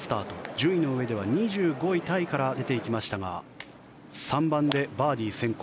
順位のうえでは２５位タイから出ていきましたが３番でバーディー先行。